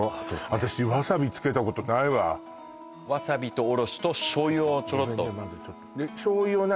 私わさびつけたことないわわさびとおろしと醤油をちょろっと醤油を何？